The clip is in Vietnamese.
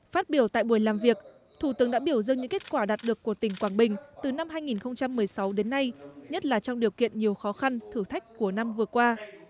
phát biểu tại buổi làm việc thủ tướng đã biểu dương những kết quả đạt được của tỉnh quảng bình từ năm hai nghìn một mươi sáu đến nay nhất là trong điều kiện nhiều khó khăn thử thách của năm vừa qua